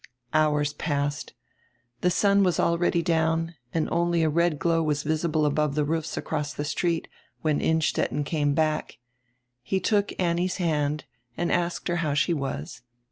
Hours passed. The sun was already down and only a red glow was visible above die roofs across die street, when Innstetten came back. He took Annie's hand and asked her how she was.